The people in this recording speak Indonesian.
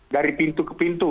dari pintu ke pintu